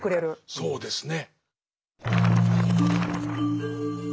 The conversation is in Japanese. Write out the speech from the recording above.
そうですね。